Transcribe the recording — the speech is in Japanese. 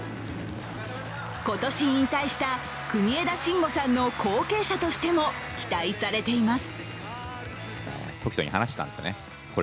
今年引退した国枝慎吾さんの後継者としても期待されています。